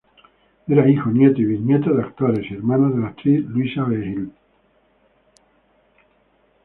Era hijo, nieto y biznieto de actores y hermano de la actriz Luisa Vehil.